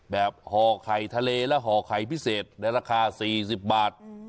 ห่อไข่ทะเลและห่อไข่พิเศษในราคา๔๐บาท